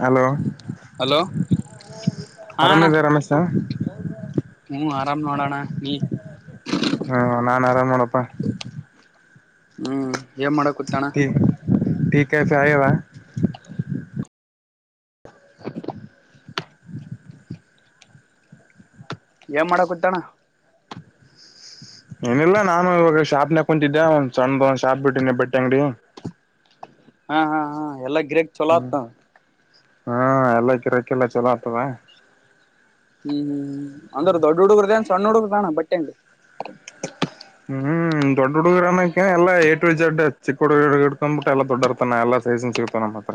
Hello hello ಹಾ ಆರಾಮ ಅಣ್ಣ ಇದಿಯ ರಮೇಶ ಹ್ಮ್ ಆರಾಮ್ ನೋಡೋಣ ನೀ ಹಾ ನಾನು ಆರಾಮ ನೋಡಪ್ಪಾ. ಹ್ಮ್. ಏನ ಮಾಡಕುತ್ತಿನ್ನ. ಟೀ ಟೀ ಕಾಫಿ ಆಗ್ಯಾವ. ಏನ ಮಾಡಕುತಿಣ. ಏನಿಲ್ಲಾ ನಾನು ಇವಾಗ ಶಾಪ್ನ. ಕುಂತಿದ್ದ ಒಂದ ಚಂದ. [unintelligible] ಬಟ್ಟೆ ಅಂಗಡಿಯು. ಹಾ ಹಾ ಹಾ ಎಲ್ಲ. ಗಿರಾಕಿ ಚಲೋ ಹತ್ತವ. ಹಾ ಎಲ್ಲ ಗಿರಾಕ್ಕೆಲ್ಲ ಚಲೋ ಆಗ್ತವ. ಹ್ಮ್ ಅಂದ್ರ ದೊಡ್ಡ ಹುಡುಗ್ರದೇನ ಸಣ್ಣ. ಸಣ್ಣ ಹುಡುಗರದೇನ ಬಟ್ಟಿ ಅಂಗಡಿ. ಹ್ಮ್- ದೊಡ್ಡ ಹುಡುಗರ್ ಅನಕ ಎಲ್ಲಾ ಏಟುಜೆಡ್ ಚಕ್ಕ ಹುಡುಗ ಹಗ ಹಿಡ್ಕೊಂಡ್ಬಿಟ್ಟ ಎಲ್ಲ ದೊಡ್ಡರ್ತಾನ ಎಲ್ಲಾ ಸೈಜನ್ ಚಿಕ್ತಾನ ಮಾತ್ರ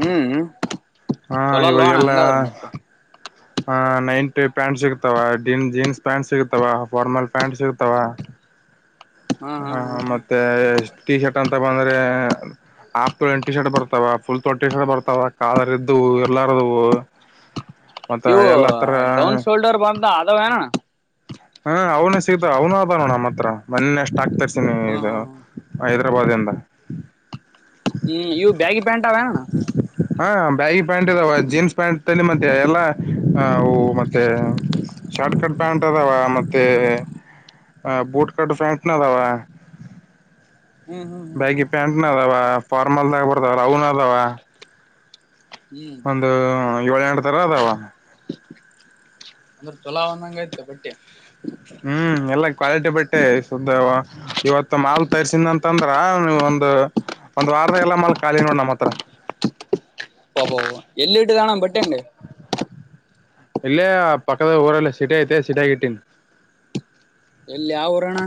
ಹ್ಮ್ ಹಾ ಚಲೋ ಅಲ್ವೋ ಅಣ್ಣ ಇವಾಗೆಲ್ಲ ಹಂಗಾದ್ರ ಮತ್ತೆ ಹ ನೈಂಟ್ ಪ್ಯಾಂಟ್ ಸಿಗ್ತಾವ ಜೀನ್ಸ್ ಪ್ಯಾಂಟ್ ಸಿಗತಾವ ಫಾರ್ಮಲ್ ಪ್ಯಾಂಟ್ ಸಿಗ್ತಾವ ಹಾ ಮತ್ತೆ ಎಷ್ಟ ಟಿ ಶರ್ಟ್ ಅಂತ ಬಂದ್ರೆ ಆಫ ತೋಳ ಟಿ ಶರ್ಟ್ ಬರ್ತಾವ ಫುಲ್ ತೋ ಟಿ ಶರ್ಟ್ ಬರ್ತಾವ ಕಾಲರ್ ಇದ್ದವು ಇರ್ಲಾರದುವು ಇವು ಡೌನ್ ಶೋಲ್ಡರ್ ಬಂದ [unintelligible] ಹ್ಮ ಅವ್ನು ಸಿಗ್ತ ಅವ್ನು ಆದಾವ ನಮ್ಮ ಹತ್ರ ಮೊೆನ್ನೇ ಸ್ಟಾಕ್ ಥಗ್ ಹ್ಮ ಇದು ಹ್ಮ [unintelligible] [unintelligible] ಹ್ಮ್ ಇವು ಬ್ಯಾಗಿ ಪೆಂಟ್ ಅವೇನನ ಹಾ ಬ್ಯಾಗಿ ಪ್ಯಾಂಟ್ ಇದದಾವ ಜೀನ್ಸ್ ಪ್ಯಾಂಟ್ಲ್ಲಿ ಮತ್ತೆ ಎಲ್ಲ ಮತ್ತೆ ಶಾರ್ಟ್ ಕಟ್ ಪ್ಯಾಂಟ್ ಅದಾವ ಮತ್ತೆ ಹ ಬೂಟ್ ಕಟ್ ಪ್ಯಾಂಟ್ ನದಾವ ಹ್ಮ್ ಹ್ಮ್ ಹ್ಮ್ ಬ್ಯಾಗಿ ಪ್ಯಾಂಟ್ ನದಾವ ಫಾರ್ಮಲ್ದಾಗ ಬರಾದಾರ ಅವನ ಅದಾವ ಹ್ಮ್ ಒಂದು ಏಳ ಎಂಟ ತರ ಅದಾವ. ಅಂದ್ರ ಚಲೋ ಅದಾವ ಅಂದಾಗ ಆಯ್ತು ಬಟ್ಟಿ. ಹ್ಮ್ ಎಲ್ಲ ಕ್ವಾಲಿಟಿ ಬಟ್ಟೆ ಸುದ್ದ ಅವ ಇವತ್ತ ಮಾಲ್. ತರ್ಸಿದಂತಂದ್ರ ಒಂದ ಒಂದ್ ವಾರದಾಗ ಎಲ್ಲ ಮಾಲ್ ಖಾಲಿ ನೋಡ ನಮ್ಮ ಹತ್ರ. ಇಲ್ಲ ಅಣ್ಣ ಬಟ್ಟಿ. [unintelligible] ಇಲ್ಲೇ ಪಕ್ಕದಲ್ಲಿ ಊರಲ್ಲ ಸಿಟಿ ಐತೆ ಸಿಟ್ಯಾಗ ಇಟ್ಟಿನಿ. ಎಲ್ಲಿ ಯಾವ ಊರಣ.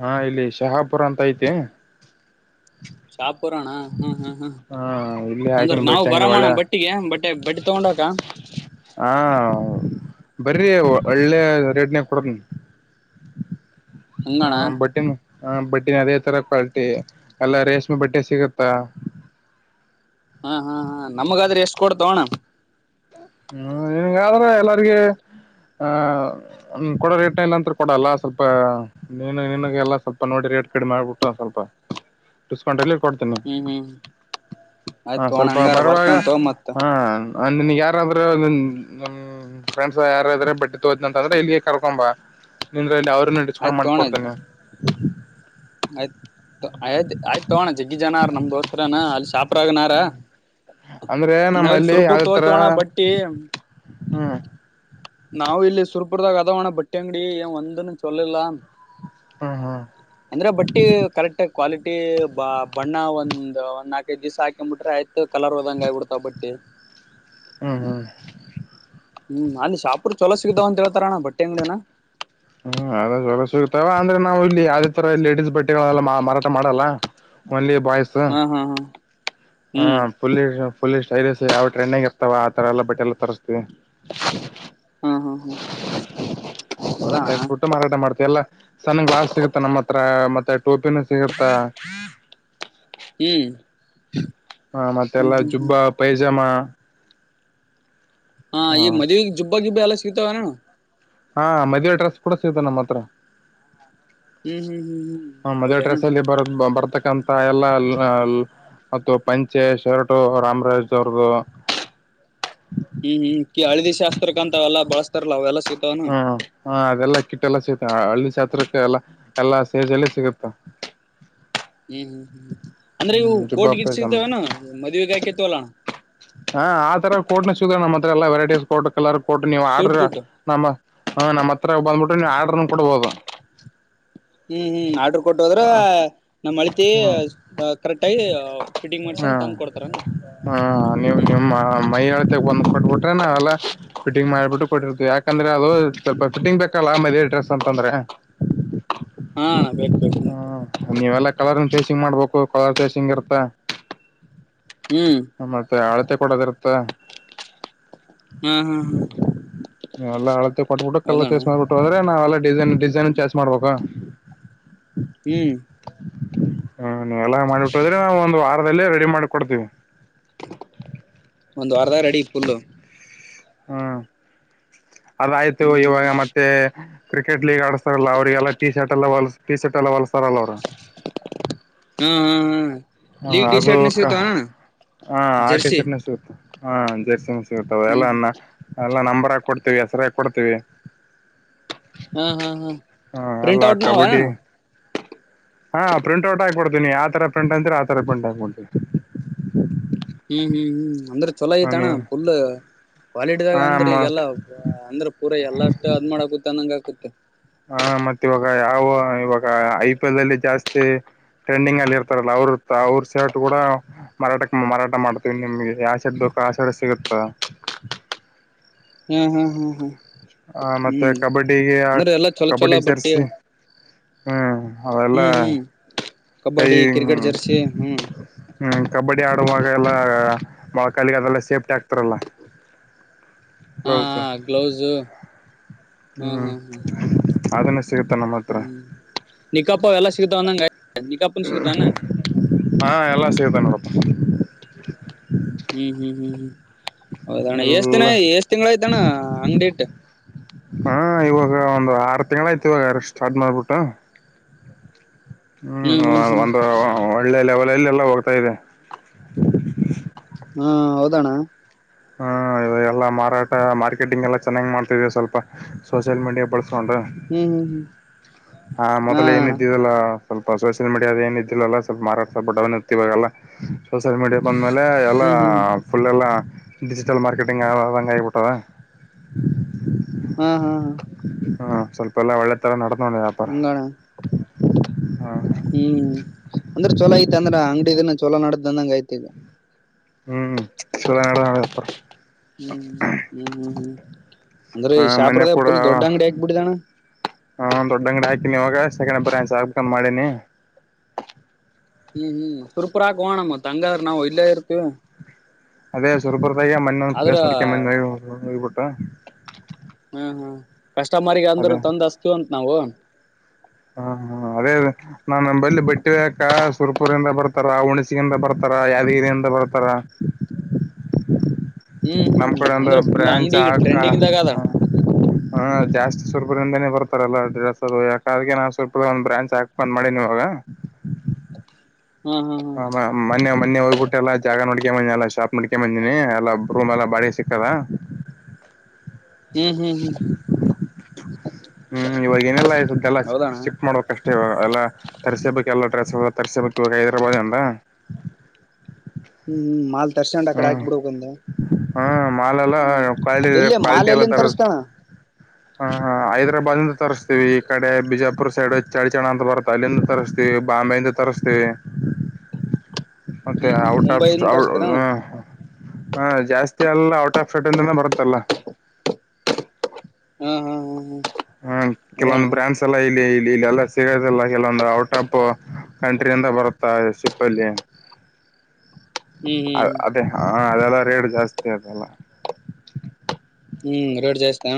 ಹಾ ಇಲ್ಲಿ ಶಹಾಪುರ ಅಂತ ಐತಿ. ಶಾಪುರಣ ಹ್ಮ್ ಹ್ಮ್ ಹ್ಮ್ ಹಾ ಇಲ್ಲಿ ಹಾಕಿನ ಹಂಗಾರನಾವು ಬಟ್ಟಿ ಅಂಗಡಿ ಬರಾಮೋಣ ಒಳ್ಳೆ ಬಟ್ಟಿಗೆ ಬಟ್ಟೆ ಬಟ್ಟಿ ತಗೊಂಡ ಹೋಗಕ್ಕ. ಹಾ. ಬರೀ ಒಳ್ಳೆ ರೇಟ್ ನ್ಯಾಗ ಕೊಡತನ. ಹ ಹಂಗಣ ಬಟ್ಟಿನು. ಹ ಬಟ್ಟೆನ ಅದೇ ತರ ಕ್ವಾಲಿಟಿ ಎಲ್ಲ ರೇಷ್ಮೆ ಬಟ್ಟೆ ಸಿಗತ್ತ. ಹಾ ಹಾ ಹಾ ನಮಗಾದ್ರ ಎಷ್ಟ ಕೊಡ್ತೋ ಅಣ್ಣ. ಹ್ಮ್ ನಿನ್ಗಾದ್ರೆ ಎಲ್ಲರಿಗ ಆ ಕೊಡೊ ರೇಟ್ ನ್ಯಾಗ ಅಂತ್ರ ಕೊಡಲ್ಲ ಸ್ವಲ್ಪ [unintelligible] ನಿನಗೆ ಎಲ್ಲ ಸ್ವಲ್ಪ ನೋಡಿ ರೇಟ್ ಕಡಿಮಿ ಮಾಡ್ಬಿಟ್ಟು ಸ್ವಲ್ಪ ಡಿಸ್ಕೌಂಟ್ ಅಲ್ಲಿ. ಕೊಡ್ತೀನಿ ಹ್ಮ್ ಹ್ಮ್ ಹ ಆಯ್ತ್ ತೋಣ ಸ್ವಲ್ಪ ಹಂಗಾರ ಬರುವಾಗ ಬರ್ತನ್ ತೋ ಮತ್ ಹ ಅಂದ್ ನಿನಿಗ್ ಯಾರು ಯಾರ್ರ್ ಫ್ರೆಂಡ್ಸ್ ಯಾರ್ರೆ ಬಟ್ಟಿ ತೋದನ ಅಂತ ಅಂದ್ರೆ ಇಲ್ಲಿಗೆ ಕರ್ಕೊಂಬ ನಿಂದ್ರಲ್ಲಿ ಅವ್ ಡಿಸ್ಕೌಂಟ್ ಆಯ್ತ್ ಮಾಡ್ಕೊಡ್ತೀನಿ. [inaudible] ಆಯ್ತ ಆಯ್ ಆಯ್ ತೋಣ ಜಗ್ಗಿ ಜನ ನಮ್ ದೋಸ್ತ್ರನ. ಅ ಅಲ್ ಶಾಪ್. ಹ್ಮ್ ಅಂದ್ರೆ ನಾವಿಲ್ಲಿ ನಮ್ಮಲ್ಲಿ ಸುರ್ಪುರ್ ಯಾವ್ದ ತರ ತೋತೋಣ ಬಟ್ಟಿ ಹ್ಮ್ ನಾವು ಇಲ್ಲಿ ಸುರ್ಪುರದಾಗ ಅದಾವಣ್ಣ ಬಟ್ಟೆ ಅಂಗಡಿ ಏ ಒಂದ ಚೊಲಿಲ್ಲಾ. ಹ್ಮ್ ಹ್ಮ್ ಅಂದ್ರೆ ಬಟ್ಟಿ ಕರೆಕ್ಟ್ ಕ್ವಾಲಿಟಿ ಬ ಬಣ್ಣ ಒಂದ್ ನಾಲ್ಕೈದು ದಿವಸ ಹಾಕ್ಬಿಟ್ರೆ ಆಯ್ತು ಕಲರ್ ಹೋದಂಗ ಆಗಿಬಿಡ್ತಾವ ಬಟ್ಟಿ. ಹ್ಮ ಹ್ಮ್ಮ್ ಹ್ಮ್ ಅಲ್ಲಿ ಶಾಪ್ರರು ಚಲೋ ಸಿಗ್ದಾವ ಅಂತ ಹೇಳ್ತಾರಣ್ಣ ಬಟ್ಟೆ ಅಂಗಡಿ ಹ್ಮ್ಮ್ ಅದಾಗೆ ಅದು ಸಸಿಗತವಾ ಅಂದ್ರೆ ನಾವು ಇಲ್ಲಿ ಯಾವುದೇ ತರ ಲೇಡೀಸ್ ಬಟ್ಟೆಗಳೆಲ್ಲ ಮಾರಾಟ ಮಾಡಲ್ಲ ಒನ್ಲಿ ಬಾಯ್ಸ್ ಹ ಹಾ ಹಾ ಹಾ ಹ್ಮ್ ಪುಲ್ಲಿ ಪುಲ್ಲಿ. ಹೌದು ಸರ್ ಯಾವ ಟ್ರೆಂಡಿಂಗ್ರ್ತ ಆ ತರ ಎಲ್ಲ ಬಟ್ಟೆಗಳನ್ನ ತರಿಸ್ತಿವಿ. [unintelligible] ಹು. ಹು. ಹೂ. ತರಿಸಿಬಿಟ್ಟು ಮಾರಾಟ ಮಾಡ್ತಲ್ಲಾ. ಸಣ್ಣ ಗಾಲಾಸ್ಟ್ ಸಿಗುತ್ತ ನಮ್ಮ್ ಹತ್ರ ಮತ್ತೆ ಟೋಪಿನ ಸಿಗುತ್ತ ಹ್ಮ್ ಹ್ಮ್ ಮತ್ತೆಲ್ಲಾ ಹ್ಮ್ ಜುಬ್ಬ ಹ್ಮ್ ಪೈಜಾಮಾ ಹಾ ಹ ಈ ಮದುವೆಗೆ ಜುಬ್ಬ. ಬಾಜ ಬಾಲಲ್ಲ ಸಿಗತಾವವ್ಣ ಹಾ ಮದ್ವೆ ಡ್ರಸ್ ಕೂಡ ಸಿಗತ ನಮ್ಮ ಹತ್ರ. ಹ್ಮ್ ಹ್ಮ್ ಹ್ಮ್ ಹ ಮದರ್ ಹೌದೇನ ಡ್ರೆಸ್ ಅಲ್ಲಿ ಬರೋ ಬರ್ತಕ್. ಸ್ಟಂತ ಎಲ್ಲ ಅಲ್ಲ ಅಲ್ ಮತ್ತು ಪಂಚೆ ಶರ್ಟ ರಾಮರಾಜ್ ಅವ್ರದು. ಹ್ಮ್ ಹ್ಮ್ ಹಳದಿ ಶಾಸ್ತ್ರಕ್ಕ ಅಂತ ಅವೆಲ್ಲ ಬಳಸ್ತಾರಲ್ಲ ಅವೆಲ್ಲ ಹ್ಮ ಹ ಅದೆಲ್ಲ ಕಿಟ್ಟ ಎಲ್ಲ ಸಿಗುತ್ತೆ ಹಳ್ಳಿ ಶಾಸ್ತ್ರಕ್ಕೆ ಎಲ್ಲಾ ಎಲ್ಲಾ ಸ್ಮೆಜ್ ಎಲ್ಲ ಸಿಗುತ್ತ. ಹ್ಮ್ ಹ್ಮ್ ಹ್ಮ್. ಅಂದ್ರೆ ಇವು ಹ್ಮ್ ಜುಬ್ಬಾ ಕೋರ್ಟ್ ಗಿಟ್ ಪೈಜಾಮ ಸಿಗ್ತವನ ಮದ್ವೆಗೆ ಹಾಕುತ್ತೇವಲ್ಲ ಹಾ ಆ ತರ ಕೋಟು ಸಿಗುದ್ರ ನಮ್ ಹತ್ರ ಎಲ್ಲ ವೆರೈಟೀಸ್ ಕೋಟು ಕಲರ್. ಕೊಟ್ಟು ನೀವು ಸೂಟ್ ಆರ್ಡ್ರ ಬೂಟ್ ನಮ್ಮ ಹಾ ನಮ್ಮ ಹತ್ರ ಬಂದುಬಿಟ್ಟು ನೀವು ಆಡರ್ ಕೊಡ್ಬೋದು ಹ್ಮ್ ಹ್ಮ್ ಆಡ್ರು ಕೊಟ್ಟ ಹೋದ್ರೆ ಹ ನಮ್ಮ್ ಅಳತೆ ಕರೆಕ್ಟ್ ಆಗಿ ಹ ಹ್ಮ ಹಾ ನೀವು ಹ್ಮ್ ನಿಮ್ಮ್ ಮೈ ಅಳತೆ ಬಂದು ಕೊಟ್ಬಿಟ್ರೆ ನಾವೆಲ್ಲ ಫಿಟಿಂಗ್ ಮಾಡಿಬಿಟ್ಟು ಕೊಟ್ಟಿರ್ತೇವಿ ಯಾಕಂದ್ರೆ ಅದು ಸ್ವಲ್ಪ ಫಿಟಿಂಗ್ ಬೇಕಲ್ಲ ಆಮೇಲೆ ಈ ಡ್ರೆಸ್ ಅಂತ ಅಂದ್ರೆ ಹಾ ಅಣ್ಣ ಬೇಕ್ ಬೇಕ್ ಮತ್ತ ಹ್ಮ ನೀವೆಲ್ಲ ಕಲರ್. [unintelligible] ಇಂಗ್ ಮಾಡ್ಬೇಕು ಕಲರ್ ಫೇಸಿಂಗ್ ಇರುತ್ತೇ ಹ್ಮ್ ಮತ್ತೆ ಅಳತೆ ಕೊಡೋದರ್. ತಗ. ಹಾ ಹಾ ಹಾ ಎಲ್ಲ ಅಳತೆ ಕೊಟ್ಬಿಟ್ಟು ಕಲ್ಲರ್ ಹೌದಣ್ಣ ಚೇಸ್ ಮಾಡ್ಬಿಟ್ಟು ಹದ್ರೆ ನಾವೆಲ್ಲ ಡಿಸೈನ್ ಡಿಸ. ಏನನ್ ಚಾಸ್ ಮಾಡಬೇಕಾ. [inaudible] ಹ್ಮ್. ಹಾ ನೀ ಎಲ್ಲ ಮಾಡಿಟ್ಟೋದ್ರೆ ಒಂದು ವಾರ ಆಮೇಲೆ ರೆಡಿ ಮಾಡ್ಕೊಡ್ತೀನಿ. ಒಂದ್ ವಾರ್ದಾಗ್ ರೆಡಿ ಫುಲ್ಲು. ಹಾಂ ಅದಾಯ್ತು ಹ್ಮ್ ಇವಾಗ ಹ್ಮ್ ಮತ್ತೆ ಕ್ರಿಕೆಟ್ ಲೀಗ್ ಆಡುಸ್ತಾರಲ್ಲ ಅವ್ರಿಗೆಲ್ಲ ಟೀ ಶರ್ಟ್ ಎಲ್ಲ ಹೊಲ್ಸ್ ಟೀ ಶರ್ಟ್ ಎಲ್ಲ ಹೊಲ್ಸ್ ಪರಲ್ಲವ್ರ ಹ್ಮ್ ಹಾಂ ಅದು ಕ ಹಾಂ ಆ ಟೀ ಜರ್ಸಿ ಶರ್ಟ್ ನಂಗ್ ಸಿಗುತ್ತೆ. ಹಾಂ ಜೆರ್ಸಿನೂ ಸಿ ಗುತ್ತವೆ ಎಲ್ಲ ಹ್ಮ್ ಹ್ಮ್ ನ ಎಲ್ಲಾ ನಂಬರ್ ಹಾಕ್ಕೊಡ್ತೀವಿ ಹೆಸ್ರ್ ಹಾಕ್ಕೊಡ್ತೀವಿ. ಹ ಹ ಹ ಪ್ರಿಂಟ್ ಎಲ್ಲ ಔಟ್ ನ ಕಬಡ್ಡಿ ಹೊಯಣು ಹಾ ಪ್ರಿಂಟ್ ಔಟ್ ಆಕೊಡ್ತೀನಿ, ಯಾತರ ಪ್ರಿಂಟ್ ಅಂತಿರೋ ಆತರ ಪ್ರಿಂಟ್ ಆಕೊಡ್ತೀನಿ. ಹ್ಮ್ ಹ್ಮ್ ಹ್ಮ್. ಅಂದ್ರೆ ಚಲೋ ಐತಣ. ಫುಲ್ ಕ್ವಾಲಿಟಿದಾಗ ಹಾ ಅಂದ್ರ ಈ ಎಲ್ಲಾ ಅಂದ್ರ ಪೂರ ಎಲ್ಲ ಅಷ್ಟು ಅದ್ [unintelligible] ಮಾಡಾಕುತ್ತ ಅಂದಂಗ ಆಕ [unintelligible] [inaudible] ಹ ಮತ್ತ ಇವಾಗ ಯಾವ ಇವಾಗ ಐ ಪಿ ಎಲ್ ಅಲ್ಲಿ ಜಾಸ್ತಿ ಟ್ರೆಂಡಿಂಗ್ ಅಲ್ಲಿ ಇರ್ತಾರಲ್ಲ, ಅವ್ರ ಅವ್ರ ಸರ್ಟ್ ಕೂಡ ಮಾರಾಟಕ್ ಮಾರಾಟ ಮಾಡ್ತೀವಿ ನಿಮ್ಗೆ. ಯಾವ್ ಸರ್ಟ್ ಬೇಕೋ ಆ ಸರ್ಟ್ ಸಿಗುತ್ತಾ ಹ್ಮ್ ಹಾ ಹೂಂ ಹೂಂ. ಆ ಮತ್ತೆ, ಕಬಡ್ಡಿಗೆ ಆ ಎಲ್ಲಾ ಚೊಲೋ ಕಬಡ್ಡಿ ಚೊಲೋ ಬಟ್ಟಿ ಜರ್ಸಿ. ಹ್ಮ್ ಅವೆಲ್ಲ ಹ್ಮ್ ಹ್ಮ್ ಕೈ ಕಬಡ್ಡಿ ಕ್ರಿಕೆಟ್ ಜರ್ಸಿ ಹ್ಮ್ [unintelligible] ಹ್ಮ [unintelligible] ಕಬಡ್ಡಿ ಆಡುವಾಗ ಎಲ್ಲ, ಮೊಳ್ಕಾಲಿಗೆ ಅದೆಲ್ಲ ಸೇಫ್ಟಿ ಆಕ್ತಾರಲ್ಲಾ? ಹಾ ಹ ಗ್ಲೌಸು, ಹ್ಮ ಹ್ಮ ಹ್ಮ್ ಹ ಅದನ್ನ ಸಿಗುತ್ತ ನಮ್ಮ ಹತ್ರ ಹ್ಮ ನಿಕಾಪ ಎಲ್ಲ ಸಿಗತಾವ ಅಂದಾಂಗ್ ಆಯ್ತ್. ನಿಕಾಪನು ಸಿಗುತ್ ತಾನೆ? ಹ [unintelligible] ಹ್ಮ್ ಹ್ಮ್ ಹ್ಮ್ ಹ್ಮ್ ಹೌದಣ್ಣ, ಎಷ್ಟ್ ದಿನ ಎಲ್ಲ ಎಷ್ಟ್ ತಿಂಗಳಾಯ್ತಣ್ಣ ಆ ಅಂಗಡಿಯಿಟ್ಟ್? ಈವಾಗ ಒಂದು ಆರು ತಿಂಗಳಾಯಿತು ಇವಾಗ ಅವ್ರು ಸ್ಟಾರ್ಟ್ ಮಾಡ್ಬಿಟ್ಟು ಹ್ಮ್ [unintelligible] ಒಂದು ಒಳ್ಳೆ ಲೆವೆಲ್ ಬೆಲ್ ಎಲ್ಲ ಹೊರಡ್ತಾ ಇದೆ. ಹಾ ಹಾ ಹೌದಣ್ಣ ಹ್ಮ್ ಎಲ್ಲಾ ಮಾರಾಟ, ಮಾರ್ಕೆಟಿಂಗ್ ಎಲ್ಲ ಚೆನ್ನಾಗ್ ಮಾಡ್ತ ಇದೀವಿ ಸ್ವಲ್ಪ. Social media ಬಳಸ್ಕೊಂಡ. ಹ್ಮ್ ಹ್ಮ್ ಆ ಹ್ಮ್ ಹಾ ಮೊದಲ ಅಣ್ಣ ಏನಿದ್ದಿದಲ್ಲ ಸ್ವಲ್ಪ ಸೋಷಿಯಲ್ ಮೀಡಿಯಾದ ಏನ್ ಇದ್ದಿಲ್ಲಲ್ಲ ಸ್ವಲ್ಪ ಮಾರಾಟ ಸ್ವಲ್ಪ ಡೌನಿತ್ತು, ಇವಾಗೆಲ್ಲ ಸೋಷಿಯಲ್ ಮೀಡಿಯಾ ಬಂದಮೇಲೆ, ಎಲ್ಲಾ ಹ್ಮ್ ಹ್ಮ್ ಫುಲ್ ಎಲ್ಲ ಡಿಜಿಟಲ್ ಮಾರ್ಕೆಟಂಗ್ [unintelligible] [unintelligible] ಹಾ ಹಾ ಹಾ [unintelligible] ಒಳ್ಳೆತರ ನೋ [unintelligible] ನನ್ ಯಾಪಾರ ಹಂಗಣ ಹ್ಮ್, ಅಂದ್ರೆ ಚಲೋ ಐತ ಅಂದ್ರ ಅಂಗಡಿ ಇದ ಚಲೋ ನಡದನ್ನಂಗ್ ಆಯ್ತೀಗ. ಹ್ಮ್, ಶರ ನಡ ನ [unintelligible] ಹತ್ರ ಹ್ಮ್ ಹ್ಮ್ ಹ್ಮ್ ಹ್ಮ್, ಅಂದ್ರೆ ಹ ಈ ಮೊನ್ನೆ ಶಹಾಪುರದಾಗ ಪುಲ್ ದೊಡ್ಡ ಅಂಗಡಿ ಹಾಕ್ಬಿಟ್ಟಿದ್ದಣ್ಣ. ಹಾ ದೊಡ್ಡ ಅಂಗಡಿ ಹಾಕೀನಿ, ಇವಾಗ ಸೆಕಂಡ್ ಬ್ರಾಂಸ್ ಹಾಕ್ಬೇಕಂತ್ ಮಾಡೀನಿ. ಹ್ಮ್ ಹ್ಮ್ ಸುರ್ಪುರಾಕೋಗೋಣ ಮತ್ ಹಂಗಾದ್ರ ನಾವ್ ಇಲ್ಲೇ ಇರ್ತಿವಿ. ಅದೇ ಸುರಪುರದಾಗ ಮಣ್ಣು ಆದ್ರ ಪ್ಲಸ್ ಮಡಿಕೆ ಮಣ್ಣ ಹೋಗಬಿಟ್ಟು [unintelligible] ಕಷ್ಟಮರಿಗೆ ಅಂದ್ರು ತಂದ್ ಅಷ್ಟೊಂದು ನಾವು ಹಾಂ ಹಾಂ ಅದೇದೆ ನಾ ನಂಬಲ್ಲಿ ಬಟ್ಟಿ ಒಯಾಕ ಸುರ್ಪುರಿಂದ ಬರ್ತಾರ ಹುಣಸಗಿಂದ ಬರ್ತಾರ ಯಾದಗಿರಿಯಿಂದ ಬರ್ತಾರ ನಮ್ ಕಡೆ ಹ್ಮ್ ಒಂದು ಅಂದ್ರ ಫುಲ್ ಬ್ರ್ಯಾಂಚ್ ಅಂಗಡಿಗೆ ಆಕ ಟ್ರೆಂಡಿಂಗ್ದಾಗ ಅದ ಹಾ ಜಾಸ್ತಿ ಸುರ್ಪುರ್ ಇಂದಾನೆ ಬರ್ತಾರ್ ಎಲ್ಲ ಡ್ರೆಸ್ ಅದು ಯಾಕ್ ಅದ್ಕೆ ನಾ ಸುರ್ಪುರದಾಗ್ ಒಂದ್ ಬ್ರಾಂಚ್ ಹಾಕ್ಬೇಕ್ ಅಂತ್ ಮಾಡಿನ್ ಇವಾಗ ಹಾ ಹಾ ಹಾ ಅ ಮ ಮೊನ್ನೆ ಮೊನ್ನೆ ಹೋಗ್ಬುಟ್ ಎಲ್ಲಾ ಜಾಗ ನೋಡ್ಕ್ಯಮ್ಬಂದಿನ್ ಎಲ್ಲಾ ಇಷ್ ಚಾಪ್ ಮಾಡಿಕ್ಯನ್ಬಂದೀನಿ ಎಲ್ಲ ರೂಮ್ ಎಲ್ಲ ಬಾಡ್ಗೆಗ್ ಸಿಕ್ತದ ಹ್ಮ್ ಹ್ಮ್ ಹ್ಮ್ ಹ್ಮ್ ಇವಾಗ್ ಏನಿಲ್ಲ ಇಷ್ಟೊತ್ಗೆಲ್ಲ ಶಿಪ್ಟ್ ಹೌದಣ ಶಿಫ್ಟ್ ಮಾಡ್ಬೇಕಷ್ಟೆ ಈವಾಗ, ಎಲ್ಲ ತರ್ಸೇ ಬೇಕ್ ಎಲ್ಲ ಡ್ರೆಸ್ ತರ್ಸೇಬೇಕಿವಾಗ್ ಹೈದರಾಬಾದ್ ಎಂದ ಹ್ಮ್ ಮಾಲ್ ತರ್ಸ್ಕೊಂಡ್ ಆಕಡೆ ಹ್ಮ್ ಹಾಕಿ ಬಿಡ್ಬೇಕಂದ ಹ ಮಾಲೆೆಲ್ಲ ಹ್ಮ್ ಕ್ವಾಲ್ಟಿದೆ ಎಲ್ಲಿ ಮಾಲ್ ಕ್ವಾಲ್ಟಿ ಎಲ್ಲ ಎಲ್ಲಿಂದ ತರದ್ ತರ್ಸ್ತಾನ ಹಾಹಾ ಹೈದ್ರಾಬಾದಿಂದ ತರಸ್ತೀವಿ ಈ ಕಡೆ ಬಿಜಾಪುರ್ ಸೈಡ್ ಚಳ್ಚಣ ಅಂತ ಬರುತ್ತೆ ಅಲ್ಲಿಂದ ತರಸ್ತೀವಿ ಬಾಂಬೆಯಿಂದ ತರಸ್ತೀವಿ ಮತ್ತೆ ಹ್ಮ್ ಹ್ಮ್ ಔಟ್ ಆಫ್ ಮುಂಬೈಯಿಂದ ತರ್ಸ್ತೀರ ಹ್ಮ್ [unintelligible] ಹಾ ಜಾಸ್ತಿ ಎಲ್ಲಾ ಒ ಟಾಪ್ ಶೆಡ್ ಇಂದಾನೆ ಹ್ಮ್ ಬರುತ್ ಎಲ್ಲ. ಆಹಾಹಾಹ. ಹ್ಞಾಂ ಕೆಲವೊಂದ್ ಬ್ರಾಂಡ್ಸ್ ಎಲ್ಲಾ ಇಲ್ಲಿ ಇಲ್ಲೆಲ್ಲ ಸೇರಿದ್ರೆ [unintelligible] ಟಾಪು ಕಂಟ್ರಿಯಿಂದ ಬರು ಆ ಎ ಸಿಪ್ಪಲ್ಲಿ. ಹ್ಮ್ ಅ ಹ್ಮ್ ಅದೇ ಹಾ ಹಾ ಅದೆಲ್ಲ ರೇಟ್ ಜಾಸ್ತಿ ಅದೆಲ್ಲ. ಹ್ಮ್ ರೇಟ್ ಜಾಸ್ತಿನ?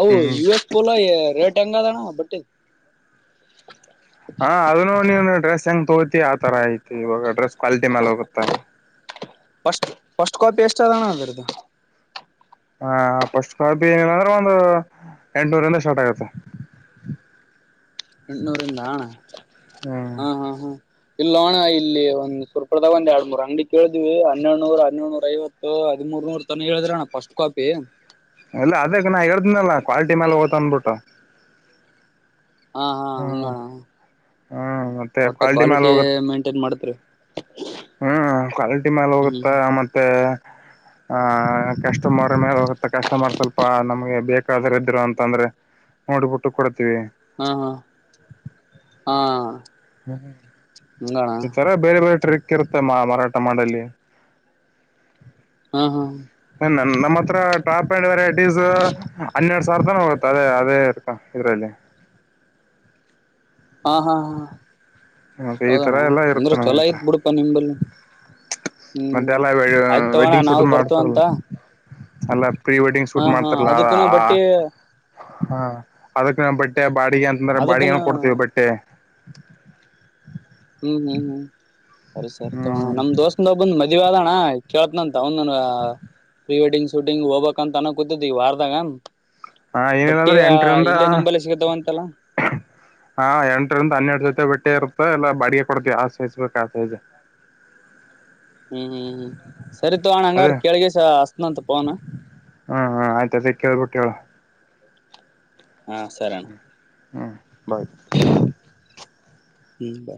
ಅವು ಹ್ಮ್ ಯು ಎಸ್ ಪೋಲಾ ಯ ರೆ ಹೆಂಗಣ ಬಟ್ಟೆ ಹಾ ಅದುನು ನೀವನು ಡ್ರೆಸ್ ಹೆಂಗ್ ತಗೋ ತಿಯ ಅದ್ ತರ ಐತಿ ಇವಾಗ ಡ್ರೆಸ್ ಕ್ವಾಲಿಟಿ ಮೇಲ್ ಹೋಗುತ್ತೆ. ಫಸ್ಟ್ ಫಸ್ಟ್ ಕಾಪಿ ಎಷ್ಟ ಅದಣ ಅದ್ರದ್ದು ಹಾ ಫಸ್ಟ್ ಕಾಪಿ ಏ ಏನಂದ್ರೆ ಒಂದು ಎಂಟುನೂರಿಂದ ಸ್ಟಾರ್ಟ್ ಆಗುತ್ತೆ. ಎಂಟುನುರಿಂದ ಅಣ ಹ್ಮ್ ಹಾ ಹಾ ಹ ಇಲ್ಲ ಅಣ್ಣ ಇಲ್ಲಿ ಒಂದ್ ಸುರ್ರ್ಪದಾಗ ಒಂದ್ ಎರಡ್ಮೂರ್ ಅಂಗಡಿ ಕೇಳಿದ್ವಿ ಹನ್ನೆರಡ್ ನೂರ್ ಹನ್ನೆರಡ್ ನೂರೈವತ್ತು ಹದಿಮೂರ್ ನೂರ್ ತನ ಹೇಳಿದ್ರ ಅಣ್ಣ ಫಸ್ಟ್ ಕಾಪಿ. ಅಲ್ಲ ಅದ ಕ ನಾ ಹೇಳಿದ್ನಲ್ಲ ಕ್ವಾಲ್ ಟಿ ಮೇಲ್ ಹೋಗುತ್ ಅನ್ಬಿಟ್ಟು. ಹಾ ಹಾ ಹಂಗಣ್ಣ. ಹ್ಮ್ ಮತ್ತೆ ಕ್ವಾಲಿಟಿ ಮಾಲ್ ಹೋಗುತ್ತೆ. ಮಾಡ್ತೀರಿ. ಹ್ಮ್ ಕ್ವಾಲಿಟಿ ಮ್ಯಾಲ ಹೋಗುತ್ತ ಹ್ಮ್ ಮತ್ತೆ. ಆಹ ಕಸ್ಟಮರ್ ಮೇಲೆ ಹೋಗುತ್ತ ಕಸ್ಟಮರ್ ಸ್ವಲ್ಪ ನಮ್ಗೆ ಬೇಕಾದರ ಇದ್ರು ಅಂತಂದ್ರೆ ನೋಡ್ಬಿಟ್ಟು ಕೊಡ್ತೀವಿ. ಹಾ ಹಾ ಹಾ. ಹ್ಮ. ಹಂಗಣ ಈ ತರ ಬೇರೆ ಬೇರೆ ಟ್ರಿಕ್ ಇರುತ್ತೆ ಮಾ ಮರಾಟ ಮಾಡಲಿ. ಹಾ ಹಾ. ನಮ್ಮ ಹತ್ರ ಟಾಪ್ ಪ್ಯಾಂಟ್ [unintelligible] ಫೀಸು ಹನ್ನೆರಡು ಸಾವಿರ ರೂಪಾಯಿ ಏನೋ ಹೋಗುತ್ತೆ ಅದೇ ಅದೇ ಹತ್ರ. ಯಾದ್ರಲ್ಲಿ. ಹಾ ಹಾ ಹಾ ಮತ್ತೆ ಈ ಹೌದಣ ತರ ಎಲ್ಲಾ ಅಂದ್ರೆ ಇರುತ್ತೆ ನಮ್ಮ ಚೊಲೋ ಹತ್ರ ಐತ್ ಬಿಡಪಾ ನಿಂಬಲ್ಲಿ ಮತ್ತೆ ಹ್ಮ್ ಎಲ್ಲ ಆಯ್ತತ್ ತವೋಣ್ಣ ನಾವು ಬರ್ತವಂತ. ಅಲ್ಲ ಪ್ರೀ ವೆಡ್ಡಿಂಗ್ ಹಾ ಶೂಟ್ ಹಾ ಮಾಡ್ತಾರಲ ಅದಕ್ಕನ ಆ ಬಟ್ಟಿ ಹಾ ಅದಕ್ ನಾನ್ ಬಟ್ಟೆ ಬಾಡಿಗೆ ಅಂತ್ ಅಂದ್ರೆ ಅದಕ್ಕನ ಬಾಡಿಗೆನು ಕೊಡ್ತೀವ್ ಬಟ್ಟೆ. [inaudible] ನೀನ್ ಏನು? ಸರಿ ಸರಿ ತಗೋಣ ಹ್ಮ್ ನಮ್ ದೋಸ್ತ್ನಂದ್ ಒಬ್ಬಂದ್ ಮದ್ [unintelligible] ಅಣ ಕೇಳ್ತ್ನಂತ ತಾವುನ್ ನನಗ ಪ್ರೀ ವೆಡ್ಡಿಂಗ್ ಶೂಟಿಂಗ್ ಹೋಗ್ಬೇಕ್ ಅಂತ ಅನ್ಕೊತ್ತಿದ್ದೆ ಈ ವಾರದಾಗ ಹಾ ಬಟ್ಟಿ ಏನಿಲ್ಲಂದ್ರೆ ಎಂಟ್ರಿಂದ, ಇಲ್ಲೇ ನಿಂಬಲ್ಲಿ ಸಿಗತಾವ ಅಂತಲ್ಲ ಹಾ ಎಂಟ್ರಿಂದ ಹನ್ನೆರಡ್ ಜೊತೆ ಬಟ್ ಟ್ಟೆ ಇರುತ್ತೆ, ಎಲ್ಲಾ ಬಾಡ್ಗೆಗ್ ಕೊಡ್ತಿವಿ ಯಾವ್ ಸೈಜ್ ಬೇಕೋ ಆ ಸೈಜ್ ಹ್ಮು ಸರಿ ತಗೋ ಅಣ ಹಂಗಾರ ಕೆೇಳಗೆಸ ಹಸನಂತ್ ಹ್ಮಹಾ ಆಯ್ತ್ ಅದೇ ಕೇಳ್ಬಟ್ ಹೇಳು. ಹಾ ಸರಿ ಅಣ್ಣ ಹ. [unintelligible] ಹ್ಮ್ ಬಾ